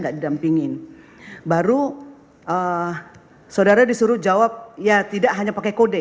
tidak didampingin baru saudara disuruh jawab ya tidak hanya pakai kode